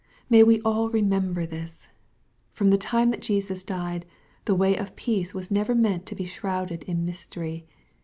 May we all remember this ! From the time that Jesus died, the way of peace was never meant to be shrouded in mystery.